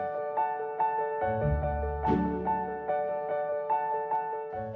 ketika ini pemasaran internet kemudian dikumpulkan oleh pemasaran internet kemudian dikumpulkan oleh pemasaran internet